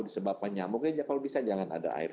disebabkannya mungkin kalau bisa jangan ada air